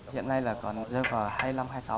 hiện nay là còn hai mươi năm hai mươi sáu người